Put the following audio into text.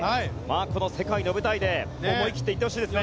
この世界の舞台で思い切って行ってほしいですね。